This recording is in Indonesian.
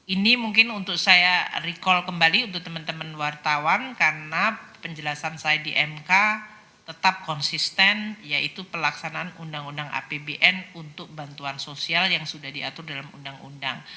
ini mungkin untuk saya recall kembali untuk teman teman wartawan karena penjelasan saya di mk tetap konsisten yaitu pelaksanaan undang undang apbn untuk bantuan sosial yang sudah diatur dalam undang undang